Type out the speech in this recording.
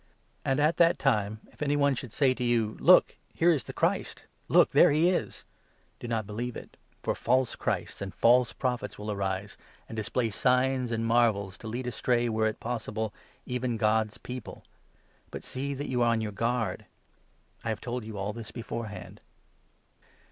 And at that time if any one should say to you ' Look, here is the Christ !'' Look, there he is !', do not believe it ; for false Christs and false Prophets will arise, and display signs and marvels, to lead astray, were it possible, even God's People. But sec that you are on your guard ! I have told you all this beforehand.